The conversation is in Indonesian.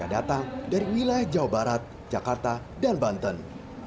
yang datang dari wilayah jawa barat jakarta dan banten